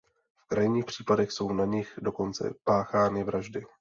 V krajních případech jsou na nich dokonce páchány vraždy.